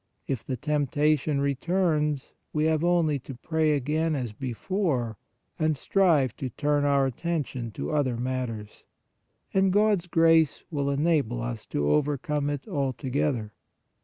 If the temptation re turns, we have only to pray again as before and strive to turn our attention to other matters, and God s grace will enable us to overcome it altogether.